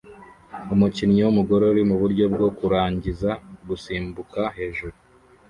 Umukinnyi wumugore uri muburyo bwo kurangiza gusimbuka hejuru